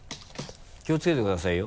気を付けてくださいよ。